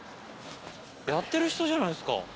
やってる人じゃないっすか。